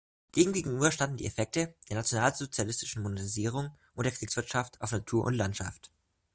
Demgegenüber standen die Effekte der nationalsozialistischen Modernisierung und der Kriegswirtschaft auf Natur und Landschaft.